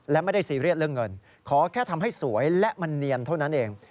และไม่ได้ซีเรียสเรื่องเงินขอแค่ทำให้สวยและมันเนียนเท่านั้นเอง